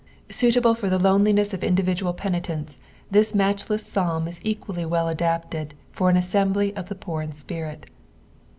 Suilablefor U« lorulinets of indiuiatuU penilenee, this maichUss Ptaba is equally aell ada^tdfor an assembly of the poor in spirit.